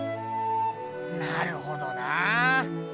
なるほどなあ。